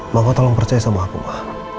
mama tolong percaya sama aku ma